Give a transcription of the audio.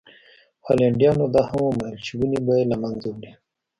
هالنډیانو دا هم ومنله چې ونې به یې له منځه وړي.